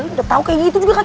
udah tau kayak gitu juga kan